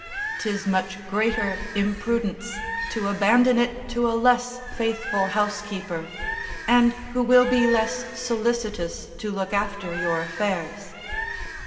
'Tis much greater imprudence to abandon it to a less faithful housekeeper, and who will be less solicitous to look after your affairs.